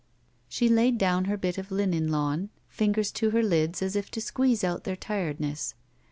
She laid down her bit of linen lawn, fingers to her lids as if to squeeze out their tiredness.